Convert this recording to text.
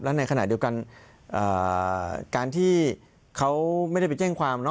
ในขณะเดียวกันการที่เขาไม่ได้ไปแจ้งความ